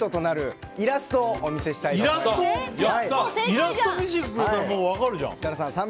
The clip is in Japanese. イラスト見せてくれたら分かるじゃん。